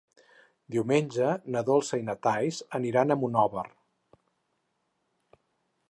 Diumenge na Dolça i na Thaís aniran a Monòver.